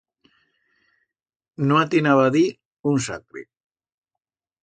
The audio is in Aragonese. No atinaba a dir un sacre.